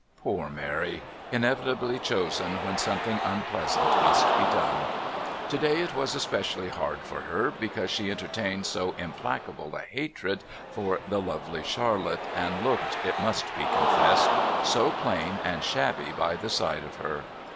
Poor Mary! inevitably chosen when something unpleasant must be done. To day it was especially hard for her, because she entertained so implacable a hatred for the lovely Charlotte and looked, it must be confessed, so plain and shabby by the side of her.